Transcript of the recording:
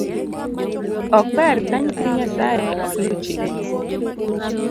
Ok ber ka nyithii nyasae ok lu chikne.